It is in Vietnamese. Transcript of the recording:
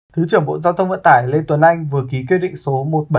thứ trưởng bộ giao thông vận tải lê tuấn anh vừa ký kết định số một nghìn bảy trăm tám mươi sáu